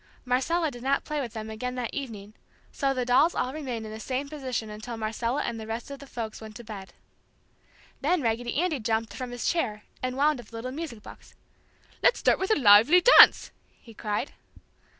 Marcella did not play with them again that evening; so the dolls all remained in the same position until Marcella and the rest of the folks went to bed. Then Raggedy Andy jumped from his chair and wound up the little music box. "Let's start with a lively dance!" he cried.